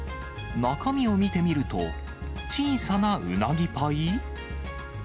中身を見てみると、小さなうなぎパイ？